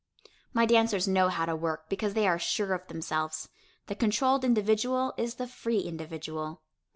My dancers know how to work because they are sure of themselves; the controlled individual is the free individual.